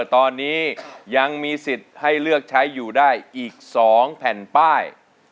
ตอนนี้ยังมีสิทธิ์ให้เลือกใช้อยู่ได้อีก๒แผ่นป้าย